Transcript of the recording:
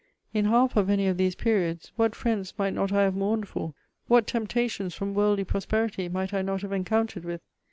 In half of any of these periods, what friends might not I have mourned for? what temptations from worldly prosperity might I not have encountered with?